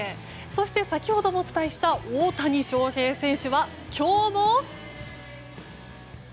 そして先ほどもお伝えした大谷翔平選手は今日も。